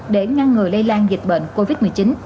để ngăn ngừa lây lan dịch bệnh covid một mươi chín